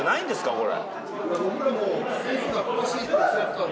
これ。